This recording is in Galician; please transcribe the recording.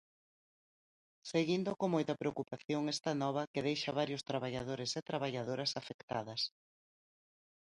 Seguindo con moita preocupación esta nova que deixa varios traballadores e traballadoras afectadas.